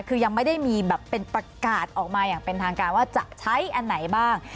คือยังไม่ได้มีแบบเป็นประกาศออกมาอย่างเป็นทางการว่าจะใช้อันไหนบ้าง